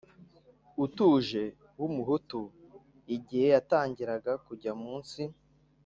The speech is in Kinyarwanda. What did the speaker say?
utuje w Umuhutu Igihe yatangiraga kujya munsi